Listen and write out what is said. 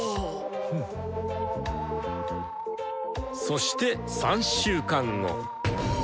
そして３週間後。